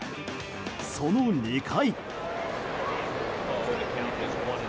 その２回。